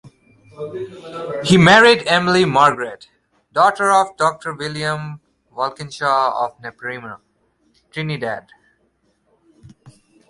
He married Emily Margaret, daughter of Doctor William Walkinshaw of Naparima, Trinidad.